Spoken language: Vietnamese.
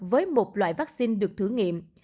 với một loại vaccine được thử nghiệm